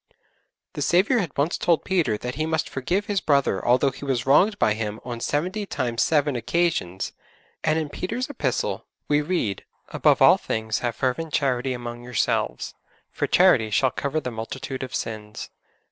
The Saviour had once told Peter that he must forgive his brother although he was wronged by him on seventy times seven occasions, and in Peter's Epistle we read, 'Above all things have fervent charity among yourselves: for charity shall cover the multitude of sins.'